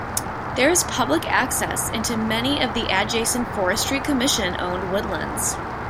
There is public access into many of the adjacent Forestry Commission owned woodlands.